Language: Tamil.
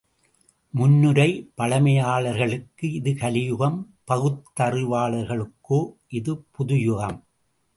முன்னுரை பழைமையாளர்களுக்கு இது கலியுகம், பகுத்தறிவாளர்களுக்கோ இது புது யுகம்.